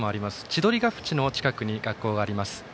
千鳥ヶ淵の近くに学校があります。